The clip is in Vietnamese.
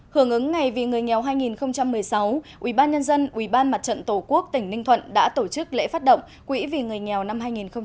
hưởng ứng ngày vì người nghèo hai nghìn một mươi sáu ubnd ubnd tổ quốc tỉnh ninh thuận đã tổ chức lễ phát động quỹ vì người nghèo năm hai nghìn một mươi chín